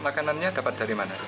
makanannya dapat dari mana